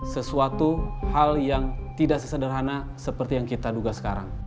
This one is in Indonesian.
sesuatu hal yang tidak sesederhana seperti yang kita duga sekarang